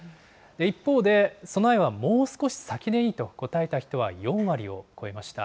一方で、備えはもう少し先でいいと答えた人は４割を超えました。